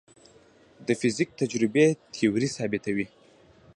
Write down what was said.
د فزیک تجربې تیوري ثابتوي.